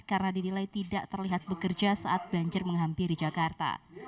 karena didilai tidak terlihat bekerja saat banjir menghampiri jakarta